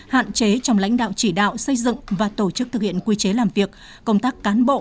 hạn chế trong lãnh đạo chỉ đạo xây dựng và tổ chức thực hiện quy chế làm việc công tác cán bộ